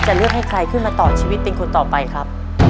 เลือกให้ใครขึ้นมาต่อชีวิตเป็นคนต่อไปครับ